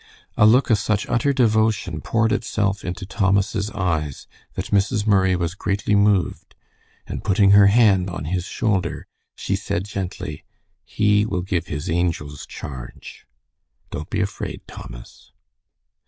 A look of such utter devotion poured itself into Thomas's eyes that Mrs. Murray was greatly moved, and putting her hand on his shoulder, she said, gently, "'He will give His angels charge.' Don't be afraid, Thomas."